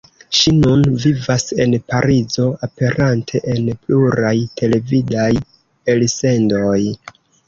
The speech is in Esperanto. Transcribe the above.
Ŝi nun vivas en Parizo, aperante en pluraj televidaj elsendoj.